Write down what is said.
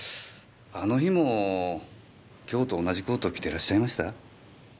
あの日も今日と同じコート着てらっしゃいました？